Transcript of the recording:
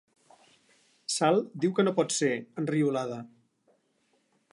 Sal diu que no pot ser, enriolada.